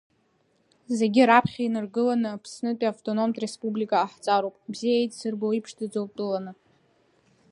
Зегьы раԥхьа инаргыланы, Аԥснытәи автономтә республика ҟаҳҵароуп, бзиа еицырбо, иԥшӡаӡоу тәыланы.